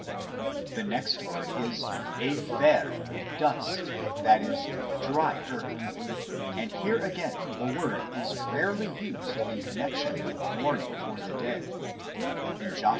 The next word is op/iar PW), " dust," i.e. dry earth ; and here again the word is rarely used in connexion wit mourning for the dead ; in Josh.